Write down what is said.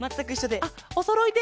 あっおそろいで。